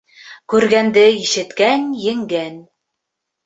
Күргәнде ишеткән еңгән.